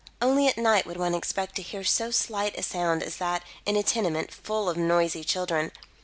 Only at night would one expect to hear so slight a sound as that in a tenement full of noisy children.